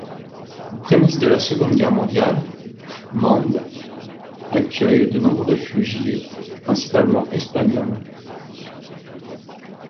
Aux prémices de la Seconde Guerre Mondiale, Mende accueille de nombreux réfugiés, principalement espagnols.